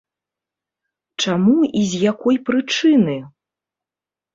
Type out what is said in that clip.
Чаму і з якой прычыны?